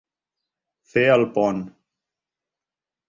Fer el pont.